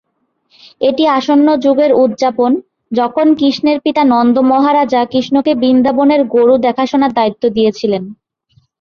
এটি আসন্ন যুগের উদযাপন, যখন কৃষ্ণের পিতা নন্দ মহারাজা কৃষ্ণকে বৃন্দাবনের গরু দেখাশোনার দায়িত্ব দিয়েছিলেন।